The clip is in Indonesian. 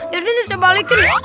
jadi ini saya balik kiri